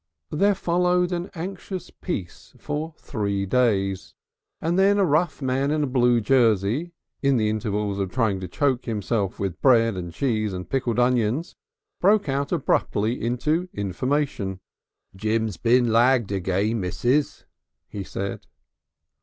X There followed an anxious peace for three days, and then a rough man in a blue jersey, in the intervals of trying to choke himself with bread and cheese and pickled onions, broke out abruptly into information. "Jim's lagged again, Missus," he said.